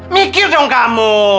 mikir dong kamu